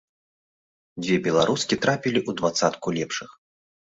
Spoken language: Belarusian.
Дзве беларускі трапілі ў дваццатку лепшых.